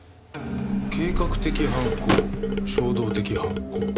計画的犯行衝動的犯行。